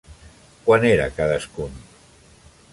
Quant era cadascun?